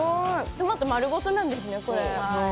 トマト丸ごとなんですね、これ。